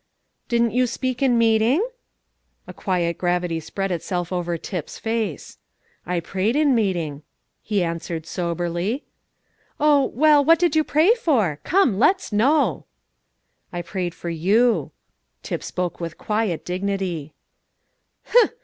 "Didn't you speak in meeting?" A quiet gravity spread itself over Tip's face. "I prayed in meeting," he answered soberly. "Oh, well, what did you pray for? Come, let's know." "I prayed for you." Tip spoke with quiet dignity.